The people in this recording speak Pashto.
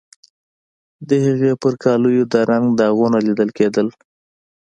د هغې په کالیو د رنګ داغونه لیدل کیدل